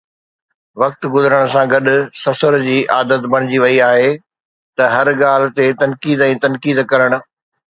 وقت گذرڻ سان گڏ سسر جي عادت بڻجي وئي آهي ته هر ڳالهه تي تنقيد ۽ تنقيد ڪرڻ.